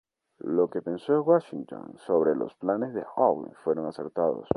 Lo que pensó Washington sobre los planes de Howe fueron acertados.